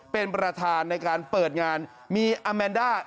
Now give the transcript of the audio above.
เป็นประธานในการเปิดงานมีอาแมนด้า